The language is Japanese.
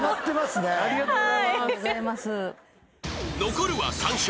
［残るは３笑。